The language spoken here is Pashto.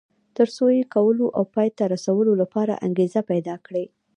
تر څو یې کولو او پای ته رسولو لپاره انګېزه پيدا کړي.